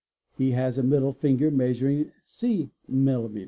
He has a middle finger measuring ¢ mms.